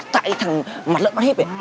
tại thằng mặt lợn mắt hiếp